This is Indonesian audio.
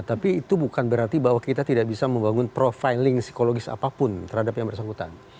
tapi itu bukan berarti bahwa kita tidak bisa membangun profiling psikologis apapun terhadap yang bersangkutan